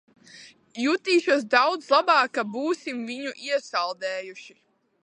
Jutīšos daudz labāk, kad būsim viņu iesaldējuši.